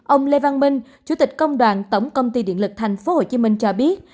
ông lê văn minh chủ tịch công đoàn tổng công ty điện lực tp hcm cho biết